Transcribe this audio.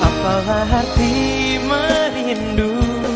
apalah arti merindu